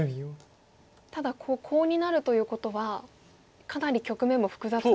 ただコウになるということはかなり局面も複雑化しますよね。